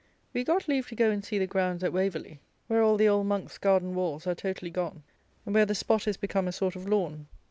We got leave to go and see the grounds at Waverley, where all the old monks' garden walls are totally gone, and where the spot is become a sort of lawn.